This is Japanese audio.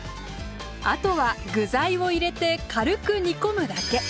あとは具材を入れて軽く煮込むだけ。